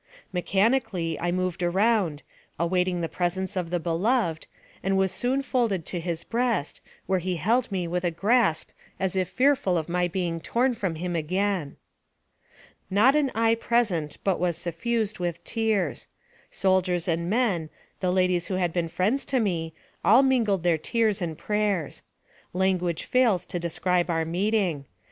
Mechanically, I moved around, awaiting the pres ence of the beloved, and was soon folded to his breast, where he held me with a grasp as if fearful of my being torn from him again. Not an eye present but was suffused with tears. Soldiers and men, the ladies who had been friends to me, all mingled their tears and prayers. Language fails to describe our meeting.